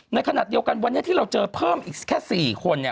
ในขณะเดียวกันวันนี้ที่เราเจอเพิ่มอีกแค่๔คน